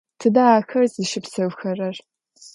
Тыдэ ахэр зыщыпсэухэрэр?